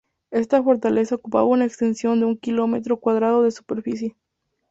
Esta fortaleza ocupaba una extensión de un kilómetro cuadrado de superficie.